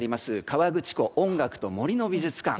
河口湖音楽と森の美術館。